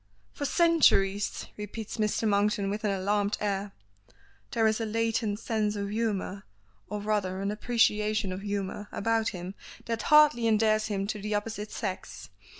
"For centuries!" repeats Mr. Monkton with an alarmed air. There is a latent sense of humor (or rather an appreciation of humor) about him that hardly endears him to the opposite sex.